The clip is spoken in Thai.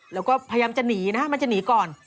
แล้วก็พยายามจะหนีนะมันจะหนีก่อน